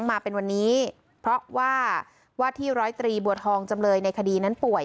มาเป็นวันนี้เพราะว่าว่าที่ร้อยตรีบัวทองจำเลยในคดีนั้นป่วย